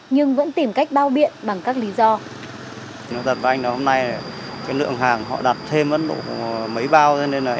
nhưng vẫn tìm cách bao biện bằng các lý do